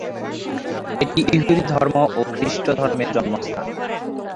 এটি ইহুদি ধর্ম ও খ্রিস্টধর্মের জন্মস্থান।